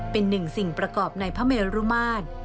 เป็นหนึ่งสิ่งประกอบในพระเมรุมาตร